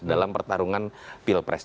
dalam pertarungan pilpres